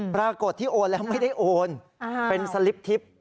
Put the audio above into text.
ปรากฏที่โอนแล้วไม่ได้โอนเป็นสลิปทิพย์